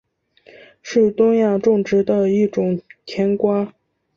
是东亚种植的一种甜瓜。